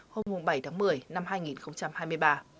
hôm bảy tháng một mươi năm hai nghìn hai mươi ba